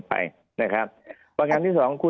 ภารกิจสรรค์ภารกิจสรรค์